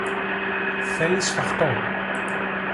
Θέλει σφαχτό